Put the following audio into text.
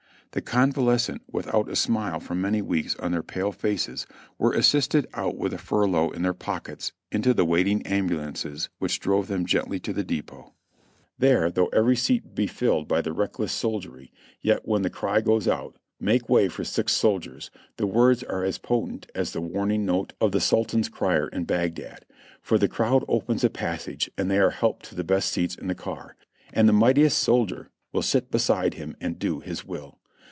The convalescent, without a smile for many weeks on their pale faces, were assisted out with a furlough in their pockets, into the waiting ambulances, which drove them gently to the depot. IN THE HOSPITAL 351 There, though every seat be filled by the reckless soldiery, yet when the cr}? goes out, "Make way for sick soldiers," the words are as potent as the warning note of the Sultan's crier in Bagdad ; for the crowd opens a passage and they are helped to the best seats in the car; and the mightiest soldier will sit beside him and do his will.